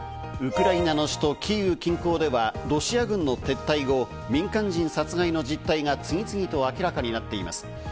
ウクライナの首都キーウ近郊ではロシア軍の撤退後、民間人殺害の実態が次々と明らかになっています。